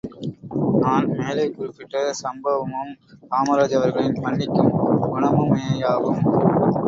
நான் மேலே குறிப்பிட்ட சம்பவமும் காமராஜ் அவர்களின் மன்னிக்கும் குணமுமேயாகும்.